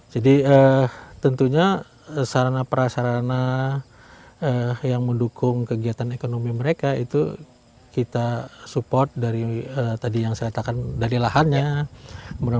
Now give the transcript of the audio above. jadi tentunya sarana perasarana yang mendukung kegiatan ekonomi mereka itu kita support dari tadi yang saya katakan dari lahannya